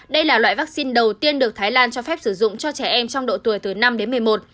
đây là loại vaccine đầu tiên được thái lan cho phép sử dụng cho trẻ em trong độ tuổi từ năm đến một mươi một